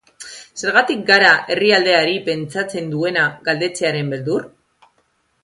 Zergatik gara herrialdeari pentsatzen duena galdetzearen beldur?